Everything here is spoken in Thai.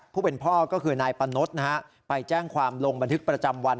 ผู้เป็นพ่อก็คือนายปะนดนะฮะไปแจ้งความลงบันทึกประจำวัน